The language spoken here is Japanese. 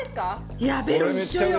いやあベロ一緒よ！